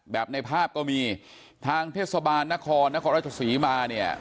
แบบในภาพก็มีทางเทศบาลนครนครรัฐศีรมา